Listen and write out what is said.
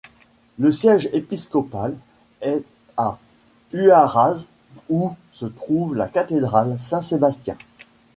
Le siège épiscopal est à Huaraz, où se trouve la cathédrale Saint-Sébastien.